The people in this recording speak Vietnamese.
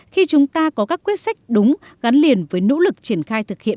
khi chúng ta có các quyết sách đúng gắn liền với nỗ lực triển khai thực hiện